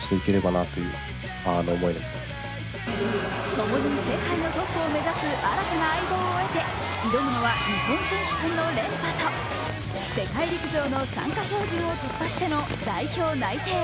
ともに世界のトップを目指す新たな相棒を得て挑むのは日本選手権の連覇と世界陸上の参加標準を突飛しての代表内定。